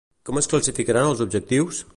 Com es classificaran els objectius?